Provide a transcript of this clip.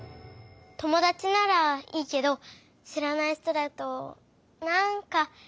ともだちならいいけどしらない人だとなんかいやかも。